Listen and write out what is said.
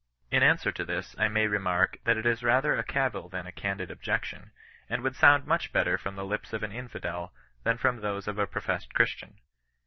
In answer to this, I may remark, that it is rather a cavil than a candid objection, and would sound much better from the lips of an infidel than from those of a professed Christian.